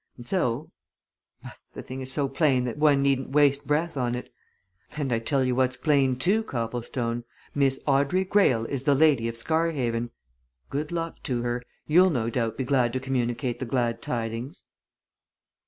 And so but the thing is so plain that one needn't waste breath on it. And I tell you what's plain too, Copplestone Miss Audrey Greyle is the lady of Scarhaven! Good luck to her! You'll no doubt be glad to communicate the glad tidings!"